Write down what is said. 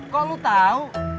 kok lu tau